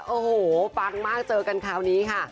โอ้โหปังมากเจอกันคราวนี้ค่ะ